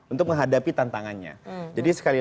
untuk menghadapi tantangannya jadi sekali